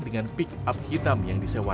dengan pik apel yang berbeda